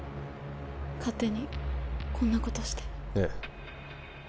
勝手にこんなことしてええ